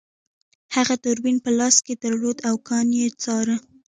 هغه دوربین په لاس کې درلود او کان یې څاره